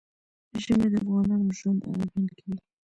ژمی د افغانانو ژوند اغېزمن کوي.